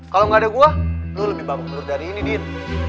kalo gak ada gue lo lebih bapak belur dari ini din